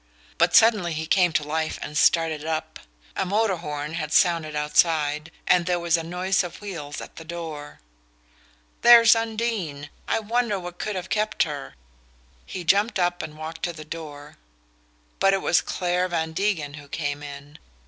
But suddenly he came to life and started up. A motor horn had sounded outside, and there was a noise of wheels at the door. "There's Undine! I wonder what could have kept her." He jumped up and walked to the door; but it was Clare Van Degen who came in.